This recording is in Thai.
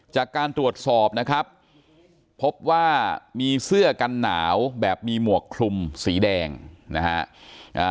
จากการตรวจสอบนะครับพบว่ามีเสื้อกันหนาวแบบมีหมวกคลุมสีแดงนะฮะ